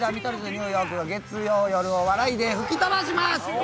ニューヨークが月曜夜を笑いで吹き飛ばします！